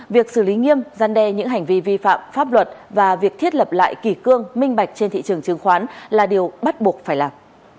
việc xử lý nghiêm gian đe những hành vi vi phạm pháp luật và việc thiết lập lại kỷ cương minh bạch trên thị trường chứng khoán là điều bắt buộc phải làm